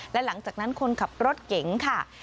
และหลังจากนั้นคนขับรถเก๋งค่ะ